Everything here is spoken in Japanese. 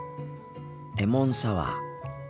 レモンサワー。